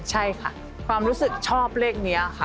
ใช่ค่ะความรู้สึกชอบเลขนี้ค่ะ